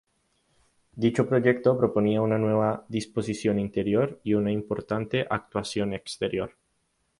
Dicho proyecto proponía una nueva disposición interior y una importante actuación exterior.